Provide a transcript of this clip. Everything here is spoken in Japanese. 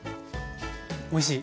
おいしい。